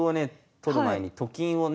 取る前にと金をね